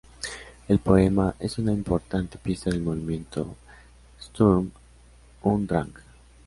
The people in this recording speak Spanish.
El poema es una importante pieza del movimiento "Sturm und Drang".